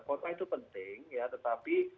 kota itu penting ya tetapi